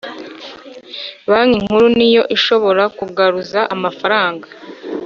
Banki Nkuru niyo ishobora kugaruza amafaranga